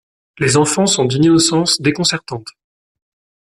Les enfants sont d’une innocence déconcertante.